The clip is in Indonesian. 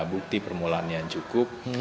bukti permulaan yang cukup